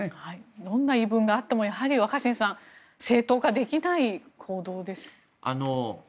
どんな言い分があっても若新さん正当化できない行動です。